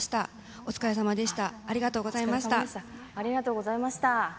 お疲れさまでした。